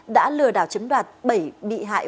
đã lừa đảo chiếm đoạt bảy bị hại